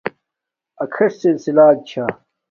اکھݵݽ سلسِلݳک چھݳ.